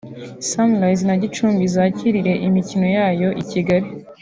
Sunrise na Gicumbi zakirire imikino yayo i Kigali